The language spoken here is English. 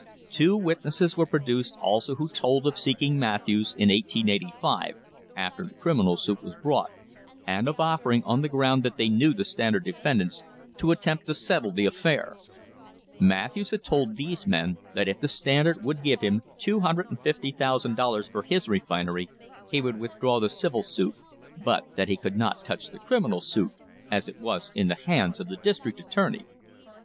Two witnesses were pro THE BUFFALO CASE duced also who told of seeking Matthews in 1885, after the criminal suit was brought, and of offering, on the ground that they knew the Standard defendants, to attempt to settle the affair. Matthews had told these men that if the Standard would give him $250,000 for his refinery, he would withdraw the civil suit, but that he could not touch the criminal suit, as it was in the hands of the district attorney.